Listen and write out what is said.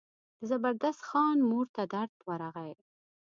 د زبردست خان مور ته درد ورغی.